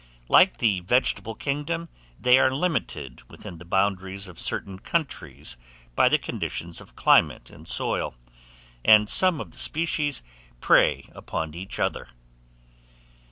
Like the vegetable kingdom, they are limited within the boundaries of certain countries by the conditions of climate and soil; and some of the species prey upon each other.